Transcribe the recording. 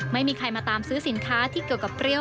ไม่มีใครมาตามซื้อสินค้าที่เกี่ยวกับเปรี้ยว